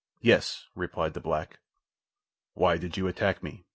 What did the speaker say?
"Yes," replied the black. "Why did you attack me?